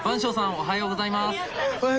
おはようございます。